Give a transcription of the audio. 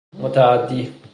متعدی